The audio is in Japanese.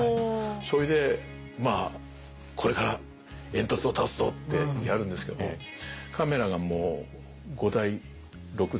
それでまあこれから煙突を倒すぞってやるんですけどもカメラがもう５台６台あって。